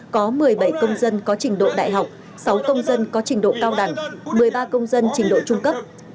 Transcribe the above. có một mươi bảy công dân có trình độ đại học sáu công dân có trình độ cao đẳng một mươi ba công dân trình độ trung cấp